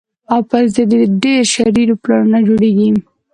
او پر ضد یې ډېر شرير پلانونه جوړېږي